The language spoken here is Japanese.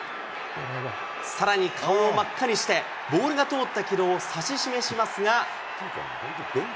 さらに顔を真っ赤にして、ボールが通った軌道を指し示しますが。